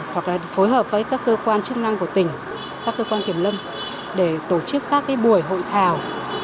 hoặc là phối hợp với các cơ quan chức năng của tỉnh các cơ quan kiểm lâm để tổ chức các buổi hội thảo